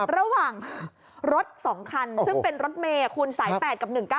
ระหว่างรถ๒คันซึ่งเป็นรถเมย์คุณสาย๘กับ๑๙๙